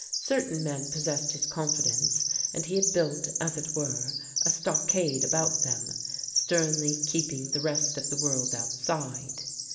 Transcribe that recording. Certain men possessed his confidence; and he had built, as it were, a stockade about them, sternly keeping the rest of the world outside.